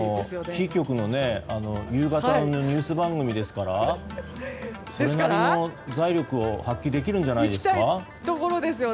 キー局の夕方のニュース番組ですからそれなりの財力を発揮できるんじゃないですか？